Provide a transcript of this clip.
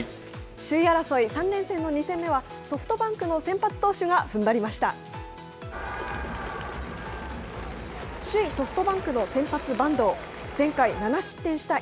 首位争い、３連戦の２戦目は、ソフトバンクの先発投手がふんばりました。